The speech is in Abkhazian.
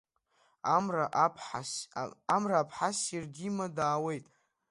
Амра аԥҳа ссир дима даауеит!